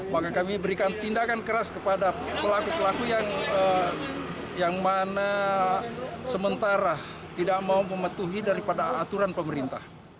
maka kami berikan tindakan keras kepada pelaku pelaku yang mana sementara tidak mau mematuhi daripada aturan pemerintah